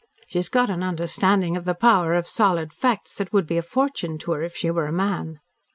She's got an understanding of the power of solid facts that would be a fortune to her if she were a man."